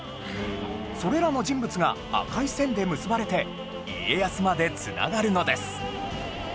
それらの人物が赤い線で結ばれて家康まで繋がるのです